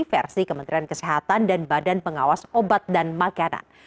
versi kementerian kesehatan dan badan pengawas obat dan makanan